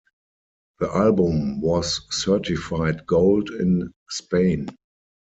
The album was certified Gold in Spain.